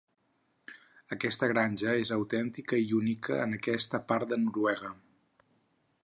Aquesta granja és autèntica i única en aquesta part de Noruega.